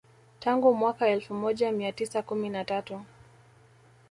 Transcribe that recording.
Tangu mwaka elfu moja mia tisa kumi na tatu